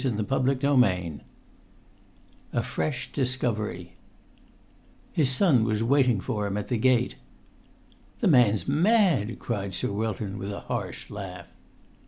[Pg 125] XII A FRESH DISCOVERY His son was waiting for him at the gate. "The man's mad!" cried Sir Wilton with a harsh laugh.